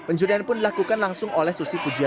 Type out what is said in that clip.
penjurian pun dilakukan langsung oleh seorang peserta